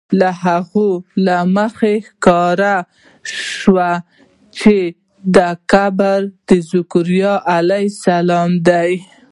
له هغې له مخې ښکاره شوه چې دا قبر د ذکریا علیه السلام دی.